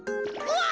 うわ！